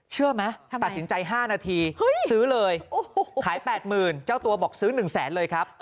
เชื่อไหมตัดสินใจ๕นาทีซื้อเลยขาย๘๐๐๐เจ้าตัวบอกซื้อ๑แสนเลยครับ